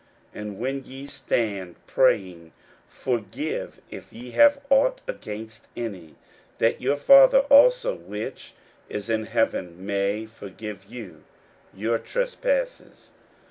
41:011:025 And when ye stand praying, forgive, if ye have ought against any: that your Father also which is in heaven may forgive you your trespasses.